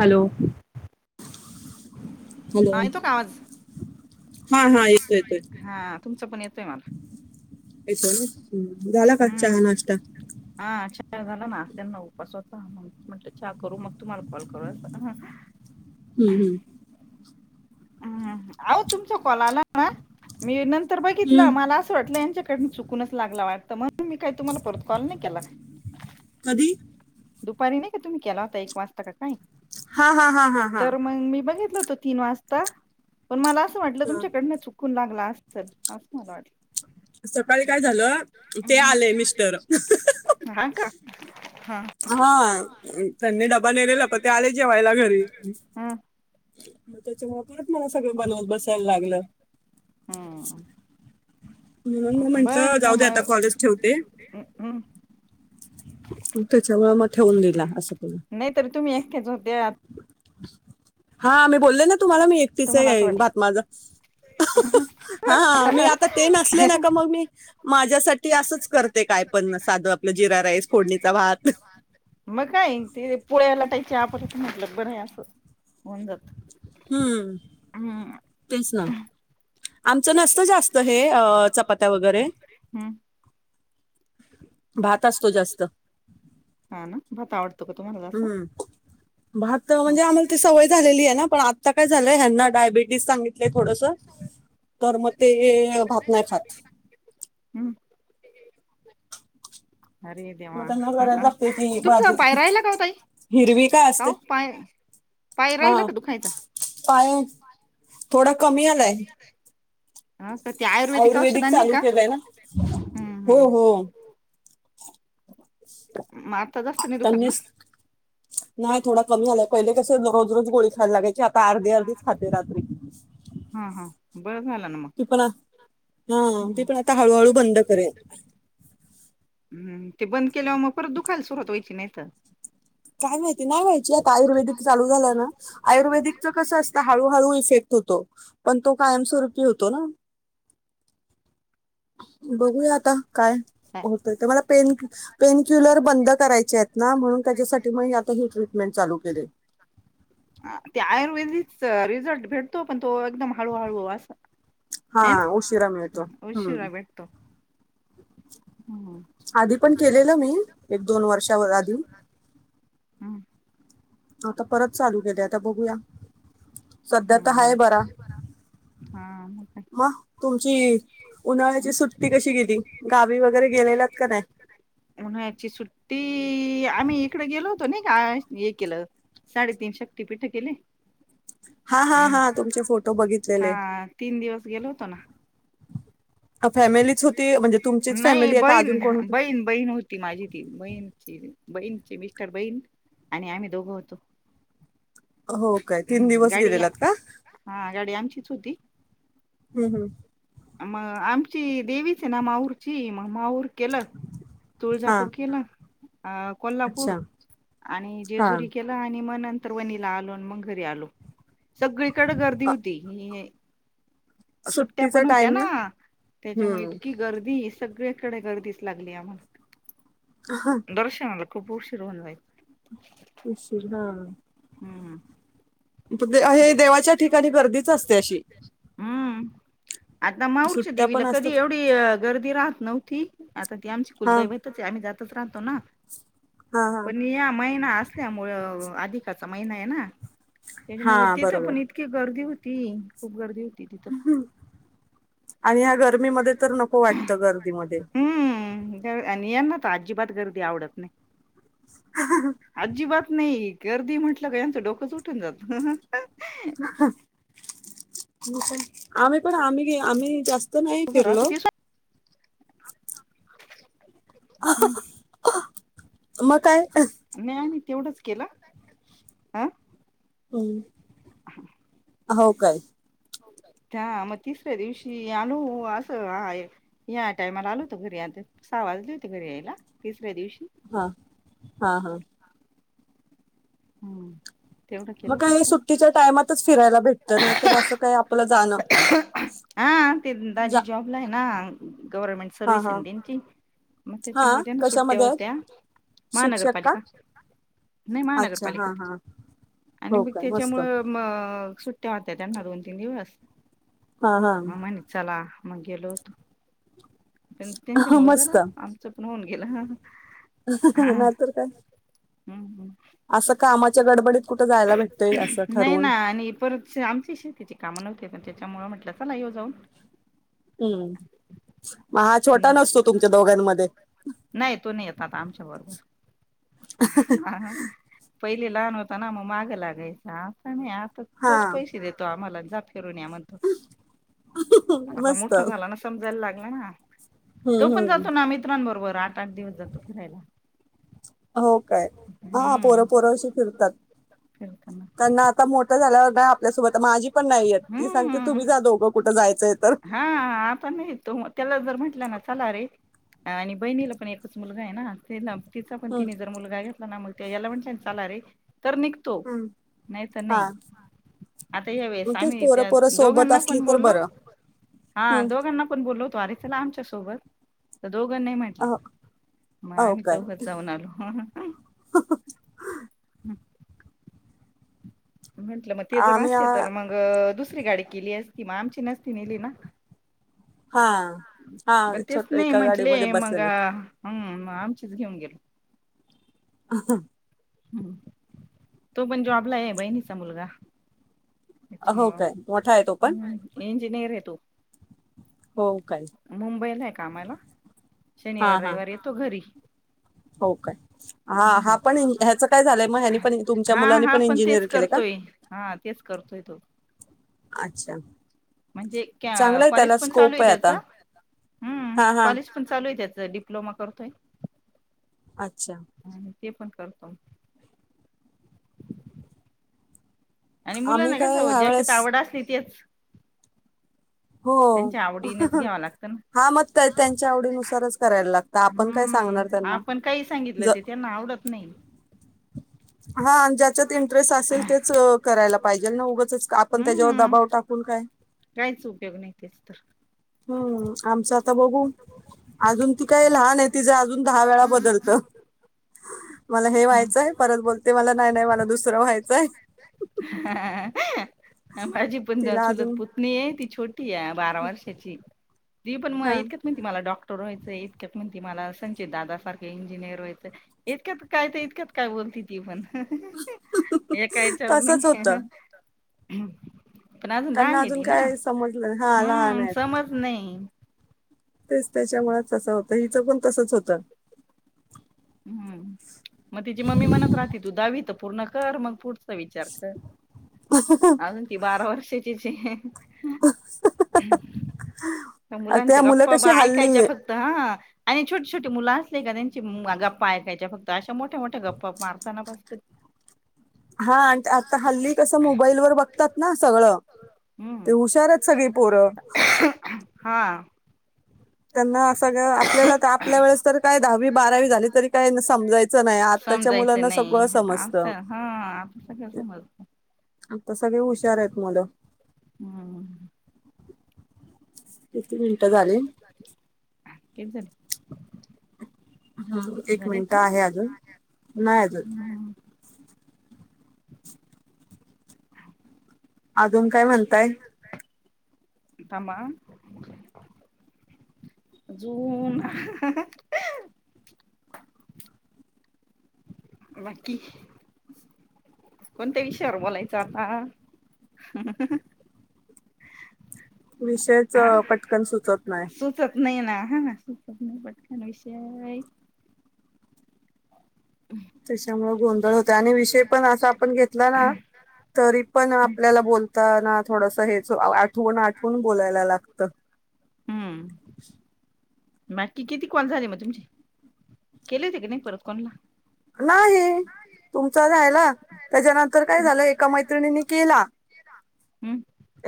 Hello hello हा येतो का आवाज. हा हा येतो येतोय हा तुमचं पण येतोय मला. च झाला का चहा नाश्ता. त्या झाला नास्त्यांना उपास होता म्हण हा करू मग तुम्हाला कॉल करू अस. हम्म हम्म. हम्म अहो तुमच्या कॉल आला ना मी नर तर बघितलं हम्म. मला असं वाटलं यांच्याकडून चुकूनच लागला वाटतं म्हणून मी काही तुम्हाला परत कॉल नाही केला. कधी? दुपारी नाही का तुम्ही केला होता एक वाजता का काय हा हा हा हा हा तर मग मी बघितलं. म असट तच्याड हा. कूल लागला असेल अस मला वाट. सकाळी काय झालं ते आले मिस्टर. हा का हा हा त्यांनी डब. बनलेलं प ते आले जेवा्हायला घरी मग त्याच्यामुळे आपरच मला सगळं बनव बसायला लागलं. हम्म म्हून ना हम्म बरं म्हंटलं ना जाऊ दे आता कॉलेज ठेवते. मग त्याच्या व मग ठेवून दिला असं तला नाहीतरी तुम्ही एकट्याच होत्या हा मी बोलले ना तुम्हाला मी एकटीच तुम्हाला असं वाटल. बातमाझ. हा मी आता ते नसले ना का मग मी माझ. असंच करते काय पण साधू आपलं जिरा राईस फोडणीचा भात. मग काय ते पुोळ्या लाटायचे आपल्यात म्हटलं बरं आहे असं होऊन जात हम्म हम्म तेस ना. आमचं नसत जास्त हे चपात्या वगैरे हम्म भात असतो जास्त. हा ना भात आवडतो का तुम्हाला जास्त? हा, हम्म भात म्हणजे आम्हाला त सवय झालेली आहे ना. पण आता काय झालंय्यांना डायबिटीज सांगित. थोडस तर मग ते भात नाही खात. हम्म अरे मग देवा त्यांना बरायला लागते त तुमचा बाजू पाय राहिला का ओ ताई? हिरवी का असते ओ पाय पाय हा राहिला का दुखायचा? पाय. थोडा कमी आलाय. हा का ते औषध आयुर्वेदिक आणली चालू का? केलंय ना हम्म हो हम्म हो. मारताच असत नाही दुखन त्यांनी ना. नाही थोडा कमी झालाय पहिले कस रोज रोज गोळी खायला लागायची आता अर्धी अर्ीच खाते रात्री. हा हा हम. ती पण हा ती हम्म पण आता हळूहळू बंद करे. हम्म, ते बंद केल्यावर मग परत दुखायला सुरुवात वयची नाहीत. काय माहिती नाही व्हायची आता आयुर्वेदिक लू झालं ना आयुर्वेदिकच कसं असतं हळू हळ इेक् होतो पण तो कायमस्ूपी होतो ना. बघूया आता काय काय. होतय ते मला पेन पेन ुल बंद कराय आहेत ना म्हणून त्यासाठी म आ ह ट्रीटमें चालू के ह त्याय रिझल्ट भेटतो पण तो एकदम हळूहळू अस. हा उशिरा मिळतो हम्म. उशिरा भेटतो हम्म आधी पण केलेलं मी एक दोन वर्षावर आधी हम्म. आता परत चालू केले आता बघूया सध्या तर हम्म, हाय हम्म. बरा. हा म मग तुमची उन्हाळ्याची सुट्टी कशी गेली गावी वगैरे गेलेलात का नाही. उन्हाळ्याची सुट्टी आम्ही इकडे गेलो. नाही का हे केलं साडेतीीन शक्टी पीठ केले. हा हा हा तुमचे फोटो ह बघितलेले तीन दिवस गेलो होतो ना. फॅमिलीच होती म्हणजे तुमचीच नाही फॅमिली आहे का अजून बहीण कोण होत बहीण बहीण होती माझी ती बहीणची बहीणची मिस्टर बहीण आणि आम्ही दोघं होतो हो काय तीन दिवस गाडी गेलेलात का हां गाडी आमचीच होती हम्म हम्म मग आमची देवीच आहे ना माऊरची म माऊर केलं हा तुळजापूर केला अ कोल्हापूर अच्छा आणि हा जेजुरी केला आणि मन नंतर वनीला आलो मग घरी आलो सगळीकडे गर्दी अ, होती सुट्टीचा त्या ना त्याच्यामुळे हम्म इतकी गर्दी सगळ्याकडे गर्दीच लागली आमला दर्शनाला खूप उशीर होन जायच निशील हां हम्म तिथं हे देवाच्या ठिकाणी गर्दीच असते अशी हम्म आता माऊरच्या सुट्ट्या पण देवीला कधी असतात एवढी गर्दी राहत नव्हती आता ती आमची हा कुलदैवतचं आम्ही जात दुसरा आणतो ना हा हा पण या महिना असं त्यामुळं अधिकाचा महिना आहे ना हा त्याच्यामुळे तिथं बरोबर पण इतकी गर्दी हो ती खूप गर्दी हो आणि ह्या गर्मीमध्ये तर नको वाटतं गर्दीमध्ये व्हावेळ या ना तर अजिबात गर्दी आवडत नाही अजिबात नाही गर्दी म्हटलं का यांचं डोकंच उठून जातं आणि काय आम्ही पण आम्ही आम्ही जास्त तर नाही उभं राहत फिरलं होती हम्म मग काय न आम्ही तेवढंच केला अं हम् ह हो काय त्या मग तिसऱ्या दिवशी आलो असं हा या टायमाला आलो होत घरी आ साव वाजले होते घरी यायला तस्या दिवशी हा हा ह हां हम्म तेवढं मग केलं काही फक्त सुट्टीच्या टायमातच फिरायला भेटत नाही तर असं काही आपलं जाणं हा ते जा ताजी जॉबला आहे ना गव्हर्मेंट हा सर्विस हा. त्यांची मग हा त्याच्यामुळे त्यांना सुट्ट्या कशामध्ये आहेत होत्या शिक्षक का? महानगरपालिका नाही अच्छा महानगर ल हा हा. आणि हो मग काय मस्त त्याच्यामुळं म सुट्ट्या वाहत्या त्यांना दोन तीन दिवस हा हा मग मनी चला मग गेलो होतो पण त्यांच्यामुळं झालं आमचं पण होऊन गेला नायतर काय हम् हम् असं कामाच्या गडबडीत कुठं जायला भेटतय असं नाही ना ठरवून आणि परत आमची शेतीची काम न पण त्याच्यामुळं म्हटलं चला येऊ जाऊन हम्म मग हा छोटा हम् नसतो तुमच्या दोघांमध्ये. नाही तो नाही येत आता आमच्या बरोबर हा पहिले लहान होताना आम मागं लागायच आता नाही आता तोच हा पैशे देतो आम्हाला फिरण्या मंतो आता मस्त मोठा झाला ना समजायला लागला ना तो हम्म पण हम्म जातो ना मित्रांबरोबर आठ आठ दिवस जातो फिरायला हो काय हा पोरं हम्म पोरं अशी फिरतात फिरताना त्यांना आता मोठं झाल्यावर नाही आपल्यासोबत माझी पण नाहीय ती सांगते हम्म तुम्ही जा दोघं कुठं जायचंय तर [inaudible] हा आपण ही येतो. त्याला जर म्हटलं चला रे, आणि बहिणीला पण एकच मुलगा आहे ना. तेन तिचा पण हम्म. तिने जर मुलगा घेतला ना, [unintelligible] म्हणलं चाला रे. तर निघतो. हम्म. नाही तर हा नाही. आता मग यावेळेस तेच आम्ही पोरं त्या पोरं सोबत दोघांना असली कोण तर बोललो. बरं हा हम्म. दोघांना पण बोलवतो आर चला आमच्या सोबत. दोघं नाही म्हटली. अहो मग अहो आम्ही काय चौघाचं जाऊन आलो. हं. म्हंटलं मग ते तर आम्ही आ, असते तर मंग दुसरी गाडी केली असती. मग आमची नसती नेली ना. हा हा मग तेच छोट नाही एका म्हटले, गाडीमध्ये मग बसले ना हम्म. मग, आमचीच घेऊन गेलो. अ हा. हम्म तो पण जॉब आहे. बहिणीचा मुलगा. अ हो काय, मोठा आहे तो पण. इंजिनीअर तो. हो काय मुंबईला आहे कामाला. हा शनिवार हा रविवारी येतो घरी. हो काय. हा हा हम्म पण ह्याच काय झालंय मग ह्यांनी पण तुमच्या हा मुलांनी हा पण इंजिनियर तेच केले का? करतोय हा करतोय तो. अच्छा. म्हणजे चांगलंय कॉलेज त्याला पण चालू स्कोप आहे त्याच? आता हम्म, हा हा कॉलेज पण चालू आहे त्याच? डिप्लोमा करतोय. अच्छा. आणि ते पण करतो. आणि आम्ही मुलांना कस काय ओ ह्या ज्याच्यात वेळेस आवड असली तेच. [inaudible] त्यांच्या आवडीनेचं घ्यावा लागतं ना. हा मग त्यांच्या आवडीनुसारचं करायला लागत. आपण काय सांगणार हम्म त्यांना. ज त नाही. हा आणि ज्याच्यात इंटरेस्ट असेल तेच करायला पाहिजेल ना, उगंच आपण त्याच्यावर हम्म दबाव टाकून काय. काहीच उपयोग नाही तेच तर. हम्म आमचा- आता बघू अजून ती काय लहान आहे. ति जे अजून दहा वेळा बदलत. मला हे हम्म व्हायचंय, परत बोलते मला नाही नाही मला दुसरं व्हायचंय. हा. माझी पण तिला चुलत अजून पुतनी आहे. ती छोटी आहे, बारा वर्षाची. ती पण हा येतक्यात म्हणते मला डॉक् क्टर व्हायचय. इतक्या म्हणते मला संचित दादा सारखे इंजिनिअर व्हयचं. इतक्यात काय तर इतक्यात काय बोल ति ती पण हे एकायच्यावर तसच होतं नाही. पण अजून त्यांना लहान आहे ती ना, काय समजलं नाही. हा लहान हम्म. आहेत समज नाही. तेच त्याच्यामुळेच तसंच होतं. हिचं पण तसच होतं. हम्म, मग तिची मम्मी म्हणत राहती तू दहावी तर पूर्ण कर मग पुढच विचार कर. अजून ती बारा वर्षाचीचं ये. त्या मुलांच्या मुलं कशी गप्पाबा ऐकायच्या हल्ली फक्त हा. आणि छोटी छोटी मुलं असले का त्यांचे गा- प्पा ऐकायच्या फक्त अशा मोठ्या मोठ्या गप्पा मारताना बसत. हा आणि आता हल्ली कसं मोबाईल वर बघतात ना सगळं. ते हम्म हुशारच सगळी पोरं. हा त्यांना असं आपल्याला तर आपल्या वेळेस तर काय दहावी बारावी झाली तरी काय समजायचं नाही आताच्या समजायचं मुलांना सगळं नाही समजत आता हा आता सगळं समजत आता सगळे हुशार आहेत मूल हम्म किती मिनिटं झाली किती झालं हम एक मिनिट का आहे अजून नाही अजून [unintelligible] अजून काय म्हणताय. थांबा हं अजून बाकी कोणत्या विषयावर बोलायचं आता विषयच पटकन सुचत नाय सुचत नाही ना हा ना सुचत नाय पटकण विषय त्याच्यामुळे गोंधळ होते आणि विषय पण असा आपण घेतला ना तरी पण आपल्याला बोलताना थोडस हेच आठवून आठवून बोलायला लागत. [unintelligible] नक्की किती कोण झाले मग तुमचे केले ते की नाही परत कोणाला. नाही. तुमचा रायला त्याच्यानंतर काय झालं एका मैत्रिणीनी केला हम्म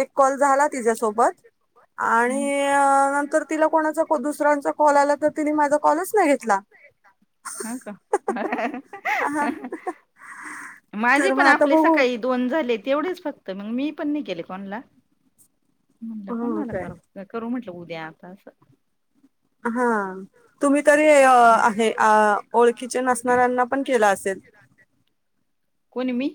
एक कॉल झाला तिज्यासोबत हम्म आणि नंतर तिला कोणाचा दुसऱ्यांचा कॉल आला तर तिने माझा कॉलच नाही घेतला हा का हा हा माझे तर मग पण आता आपले बघू सकाळी दोन झाले तेवढेच फक्त मग मी पण नाही केेले कोणला. म्हणलं ह कोणाला काय करू करू म्हटलं उद्या आता असं हा तुम्ही तरी आहे आ ओळखीचे नसणाऱ्यांना पण केलं असेल कोणी मी